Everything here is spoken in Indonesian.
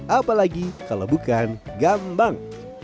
apalagi kalau bukan gambang